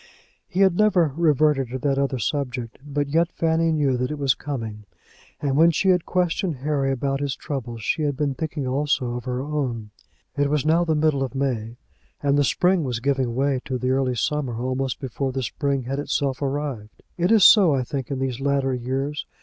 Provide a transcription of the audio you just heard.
He had never reverted to that other subject. But yet Fanny knew that it was coming, and when she had questioned Harry about his troubles she had been thinking also of her own. It was now the middle of May, and the spring was giving way to the early summer almost before the spring had itself arrived. It is so, I think, in these latter years.